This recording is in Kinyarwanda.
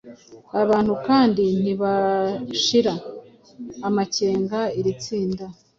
abantu kandi ntibashira amakenga iri itsinda